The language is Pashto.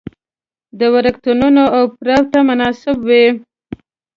د وړکتونونو او پړاو ته مناسب وي.